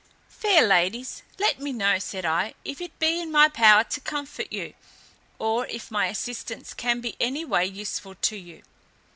"Fair ladies, let me know," said I, "if it be in my power to comfort you, or if my assistance can be any way useful to you."